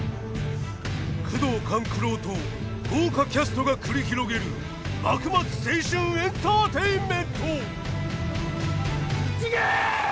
宮藤官九郎と豪華キャストが繰り広げる幕末青春エンターテインメント！